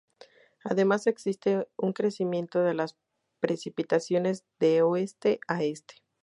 Además, existe un decrecimiento de las precipitaciones de oeste a este.